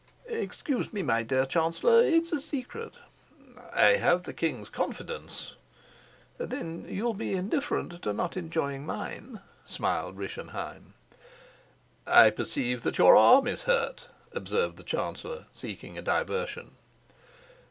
"Excuse me, my dear chancellor; it's a secret." "I have the king's confidence." "Then you'll be indifferent to not enjoying mine," smiled Rischenheim. "I perceive that your arm is hurt," observed the chancellor, seeking a diversion.